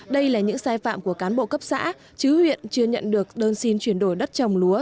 đây là những sai phạm của cán bộ cấp xã chứ huyện chưa nhận được đơn xin chuyển đổi đất trồng lúa